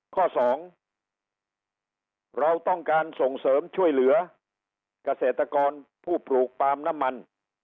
สองเราต้องการส่งเสริมช่วยเหลือเกษตรกรผู้ปลูกปาล์มน้ำมัน